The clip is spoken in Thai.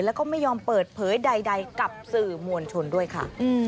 แล้วก็ไม่ยอมเปิดเผยใดกับสื่อมวลชนด้วยค่ะ